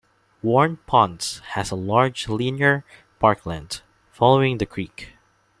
Waurn Ponds has a large linear parkland following the creek.